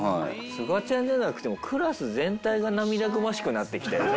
すがちゃんじゃなくてもクラス全体が涙ぐましくなってきたよね。